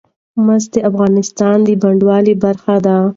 مس د افغانستان د بڼوالۍ برخه ده.